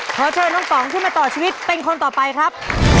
ขอเชิญน้องป๋องขึ้นมาต่อชีวิตเป็นคนต่อไปครับ